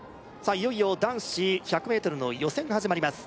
いよいよ男子１００ｍの予選が始まります